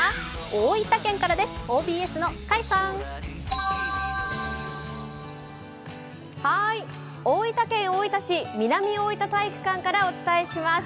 大分県大分市南大分体育館からお伝えします。